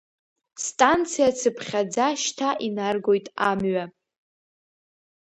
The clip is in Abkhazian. Станциа-цыԥхьаӡа шьҭа инаргоит амҩа.